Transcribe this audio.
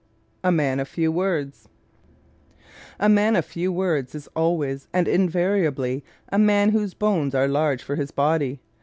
A Man of Few Words ¶ A man of few words is always and invariably a man whose bones are large for his body.